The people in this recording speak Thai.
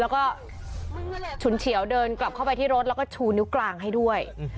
แล้วก็ฉุนเฉียวเดินกลับเข้าไปที่รถแล้วก็ชูนิ้วกลางให้ด้วย